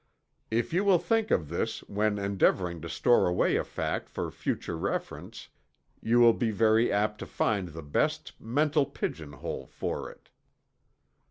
If you will think of this when endeavoring to store away a fact for future reference, you will be very apt to find the best mental pigeon hole for it.